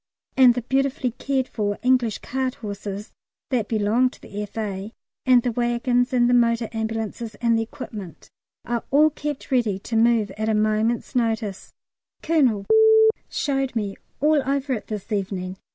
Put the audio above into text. And the beautifully cared for English cart horses that belong to the F.A., and the waggons and the motor ambulances and the equipment, are all kept ready to move at a moment's notice. Colonel showed me all over it this evening.